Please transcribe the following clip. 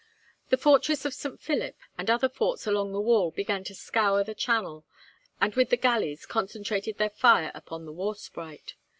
The fortress of St. Philip and other forts along the wall began to scour the channel, and with the galleys concentrated their fire upon the 'War Sprite.'